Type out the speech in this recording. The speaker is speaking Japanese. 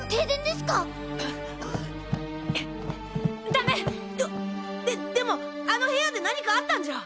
ででもあの部屋で何かあったんじゃ。